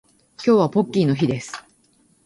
今日はポッキーの日です